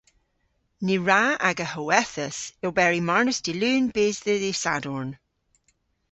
Ny wra aga howethas oberi marnas dy' Lun bys dhe dh'y Sadorn.